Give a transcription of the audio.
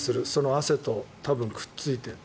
汗と多分、くっついて。